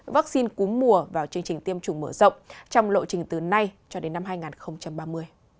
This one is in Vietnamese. vaccine cúm mùa vào chương trình tiêm chủng mở rộng trong lộ trình từ nay cho đến năm hai nghìn ba mươi